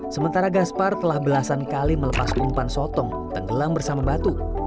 sementara gaspar telah belasan kali melepas umpan sotong tenggelam bersama batu